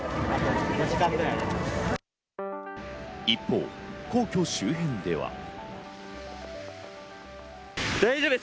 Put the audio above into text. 一方、皇居周辺では。